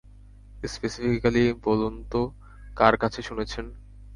Specifically বলুন তো কার কাছে শুনেছেন?